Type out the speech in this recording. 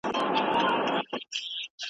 خلک ورو ورو له ظالم سره روږدیږي `